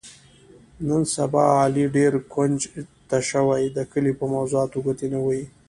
نن سبا علي ډېر کونج ته شوی، د کلي په موضاتو ګوتې نه وهي.